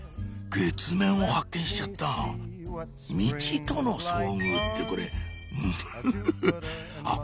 月面を発見しちゃったミチとの遭遇ってこれムフフフあっ